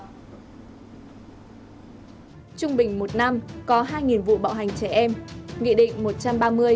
trung bình một năm có hai vụ bạo hành trẻ em